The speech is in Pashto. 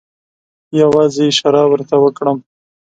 یوازې اشاره ورته وکړم.